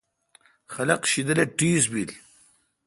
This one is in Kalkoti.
خلق شیدل اے ٹیس بیل۔